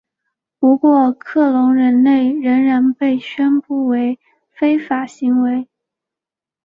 不过克隆人类仍然被宣布为非法行为。